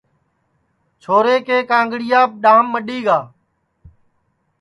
چھورے کے کانٚڑیاپ ڈؔام مڈؔی گا